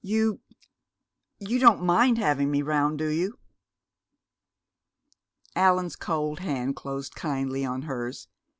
You you don't mind having me round, do you?" Allan's cold hand closed kindly on hers.